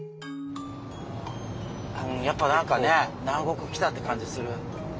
やっぱ何かね南国来たって感じする。